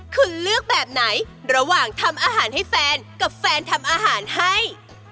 คุณเลือกแบบไหนระหว่างทำอาหารให้แฟนกับแฟนทำอาหารให้